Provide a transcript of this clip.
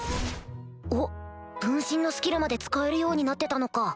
おっ分身のスキルまで使えるようになってたのか